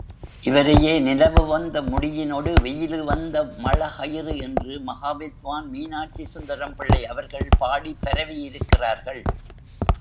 இவரையே, நிலவு வந்த முடியினொடு வெயிலுவந்த மழகளிறு என்று மகாவித்வான் மீனாட்சி சுந்தரம் பிள்ளை அவர்கள் பாடிப் பரவியிருக்கிறார்கள்.